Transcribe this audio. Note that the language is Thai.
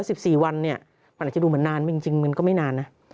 ไว้เถอะแล้ว๑๔วันเนี่ยมันจะดูเหมือนนานไม่จริงก็ไม่นานนะ